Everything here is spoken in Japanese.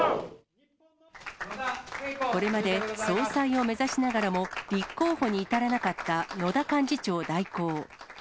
これまで総裁を目指しながらも、立候補に至らなかった野田幹事長代行。